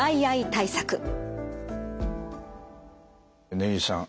根岸さん